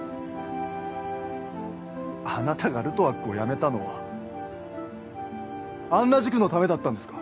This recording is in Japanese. あなたがルトワックを辞めたのはあんな塾のためだったんですか。